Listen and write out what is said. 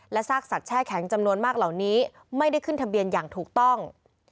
ซากสัตว์แช่แข็งจำนวนมากเหล่านี้ไม่ได้ขึ้นทะเบียนอย่างถูกต้อง